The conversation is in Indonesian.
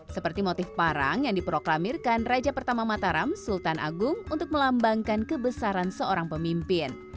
seperti motif parang yang diproklamirkan raja pertama mataram sultan agung untuk melambangkan kebesaran seorang pemimpin